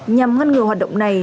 nhằm ngăn ngừa hoạt động này